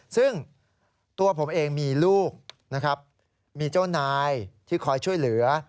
ซึ่งตัวผมเองมีลูกนะครับมีเจ้านายที่คอยช่วยเหลือ